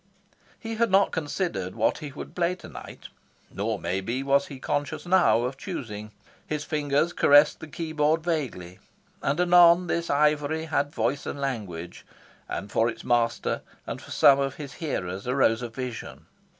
He had not considered what he would play tonight. Nor, maybe, was he conscious now of choosing. His fingers caressed the keyboard vaguely; and anon this ivory had voice and language; and for its master, and for some of his hearers, arose a vision.